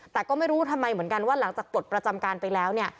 แต่ก็ไม่รู้ทำไมเหมือนกันว่าหลังจากปลดประจำการไปแล้วเนี่ย